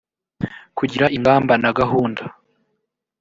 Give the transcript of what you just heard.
kugira ingamba na gahunda